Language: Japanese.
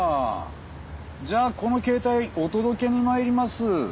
じゃあこの携帯お届けに参ります。